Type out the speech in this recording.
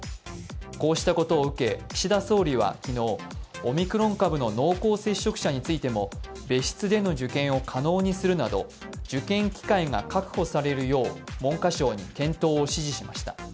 こうしたことを受け、岸田総理は昨日、オミクロン株の濃厚接触者についても別室での受験を可能にするなど受験機会が確保されるよう文科省に検討を指示しました。